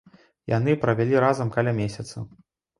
Яны правялі разам каля месяца.